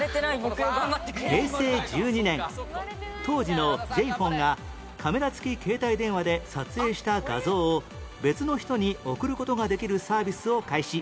平成１２年当時の Ｊ−ＰＨＯＮＥ がカメラ付き携帯電話で撮影した画像を別の人に送る事ができるサービスを開始